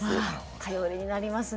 頼りになりますね。